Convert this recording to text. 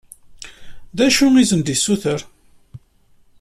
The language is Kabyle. D acu i asen-d-yessuter?